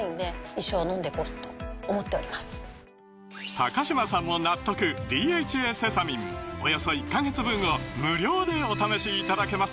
高嶋さんも納得「ＤＨＡセサミン」およそ１カ月分を無料でお試しいただけます